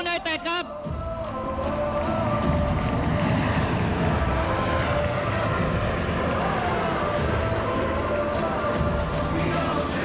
ท่านแรกครับจันทรุ่ม